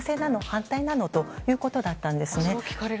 反対なの？ということだったんですね。